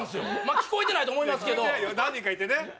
聞こえてないと思いますけど何人かいてね